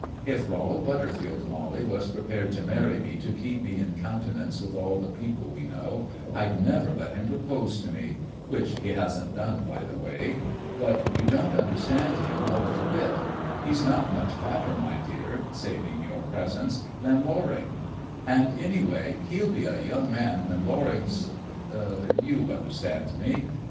"If Rollo Butterfield, Mollie, was prepared to marry me to keep me in countenance with all the people we know, I'd never let him propose to me which he hasn't done, by the way. But you don't understand him a little bit. He's not much fatter, my dear, saving your presence, than Loring; and, any way, he'll be a young man when Loring's you understand me.